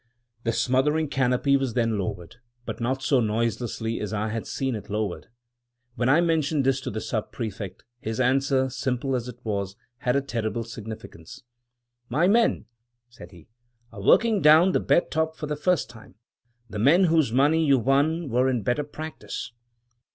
The smothering canopy was then lowered, but not so noiselessly as I had seen it lowered. When I mentioned this to the Sub prefect, his answer, simple as it was, had a terrible significance. "My men," said he, "are working down the bed top for the first time — the men whose money you won were in better practice."